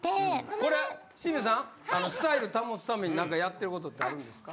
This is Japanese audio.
スタイル保つために何かやってることってあるんですか？